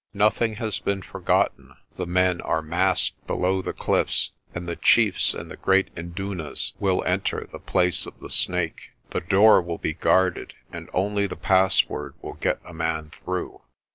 "Nothing has been forgotten. The men are massed below the cliffs and the chiefs and the great indunas will enter the Place of the Snake. The door will be guarded and only the password will get a man through.